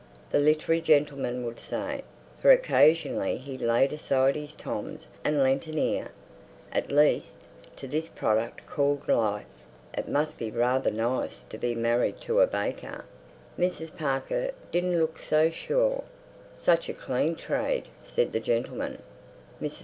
the literary gentleman would say. For occasionally he laid aside his tomes and lent an ear, at least, to this product called Life. "It must be rather nice to be married to a baker!" Mrs. Parker didn't look so sure. "Such a clean trade," said the gentleman. Mrs.